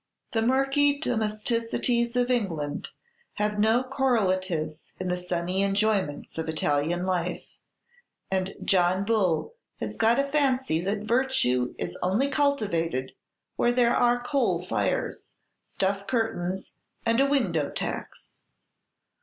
"The murky domesticities of England have no correlatives in the sunny enjoyments of Italian life; and John Bull has got a fancy that virtue is only cultivated where there are coal fires, stuff curtains, and a window tax.